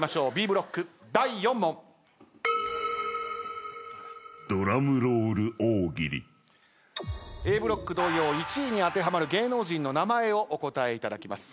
ブロック同様１位に当てはまる芸能人の名前をお答えいただきます。